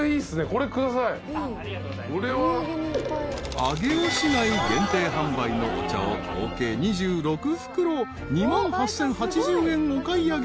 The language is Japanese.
［上尾市内限定販売のお茶を合計２６袋２万８，０８０円お買い上げ］